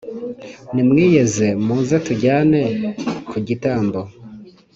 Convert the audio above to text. nimwiyeze muze tujyane ku gitambo.